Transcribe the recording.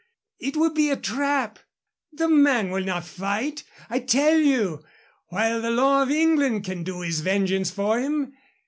It will be a trap. The man will not fight, I tell you, while the law of England can do his vengeance for him.